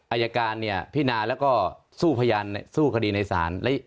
อายการเนี่ยพินาแล้วก็สู้พยานสู้คดีในศาล